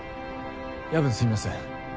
夜分すいません。